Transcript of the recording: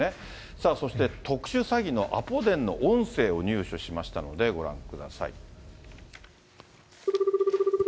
さあ、そして特殊詐欺のアポ電の音声を入手しましたので、ご覧ください。